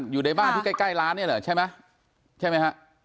อยู่ในบ้านที่ใกล้ร้านเหรอใช่ไหมฮะ